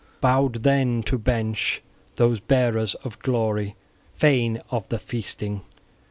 Bowed then to bench those bearers of glory, fain of the feasting.